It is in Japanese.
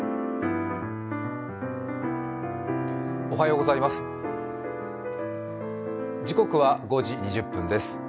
おはようございます。